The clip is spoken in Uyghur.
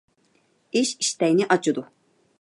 ئىش ئىشتەينى ئاچىدۇ.